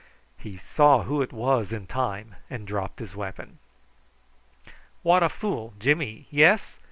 He saw who it was in time and dropped his weapon. "What a fool, Jimmy, yes!